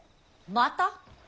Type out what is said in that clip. また？